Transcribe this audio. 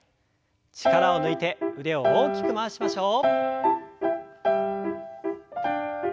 力を抜いて腕を大きく回しましょう。